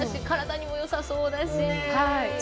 体にもよさそうだしね。